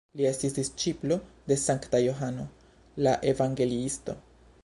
Li estis disĉiplo de Sankta Johano la Evangeliisto.